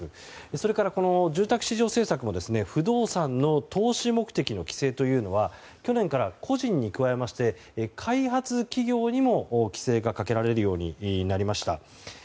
それから、住宅市場政策も不動産の投資目的の規制というのは去年から、個人に加えまして開発企業にも規制がかけられるようになりました。